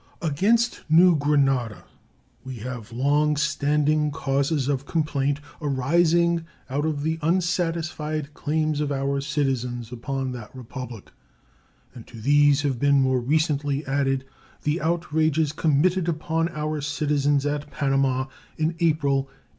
Against New Granada we have long standing causes of complaint, arising out of the unsatisfied claims of our citizens upon that Republic, and to these have been more recently added the outrages committed upon our citizens at Panama in April, 1856.